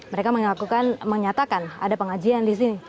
mereka menyatakan ada pengajian di sini